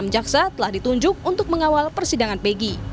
jaksa telah ditunjuk untuk mengawal persidangan peggy